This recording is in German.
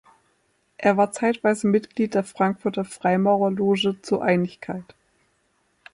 Er war zeitweise Mitglied der Frankfurter Freimaurerloge "Zur Einigkeit".